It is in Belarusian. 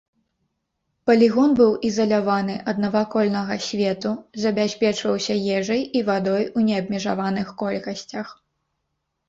Палігон быў ізаляваны ад навакольнага свету, забяспечваўся ежай і вадой у неабмежаваных колькасцях.